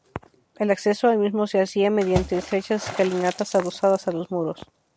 El acceso al mismo se hacía mediante estrechas escalinatas adosadas a los muros.